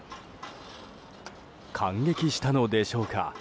感激したのでしょうか